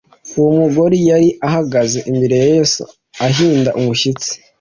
Uwo mugore yari ahagaze imbere ya Yesu ahinda umushyitsi.